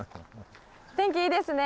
天気いいですね。